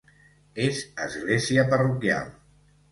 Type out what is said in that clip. És església parroquial.